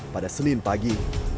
pada senin pagi